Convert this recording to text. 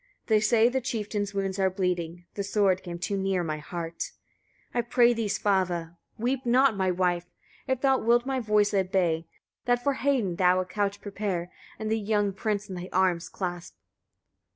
They say the chieftain's wounds are bleeding. The sword came too near my heart. 41. I pray thee, Svava! weep not, my wife! if thou wilt my voice obey, that for Hedin thou a couch prepare, and the young prince in thy arms clasp.